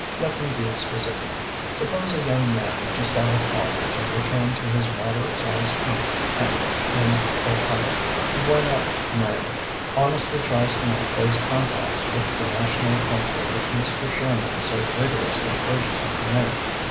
Let me be specific. Suppose a young man, just out of college and returned to his moderate sized home town in Ohio (why not Marion?), hon estly tries to make those contacts with the national culture which Mr. Sher man so vigorously urges him to make.